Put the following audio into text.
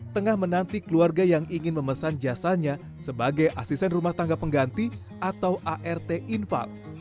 tengah menanti keluarga yang ingin memesan jasanya sebagai asisten rumah tangga pengganti atau art infal